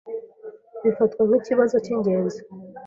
Bifatwa nkikibazo cyingenzi.